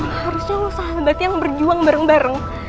malah harusnya lu sahabat yang berjuang bareng bareng